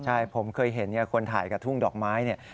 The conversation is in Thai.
ใช่ผมเคยเห็นคนถ่ายกับทุ่งดอกไม้เนี่ย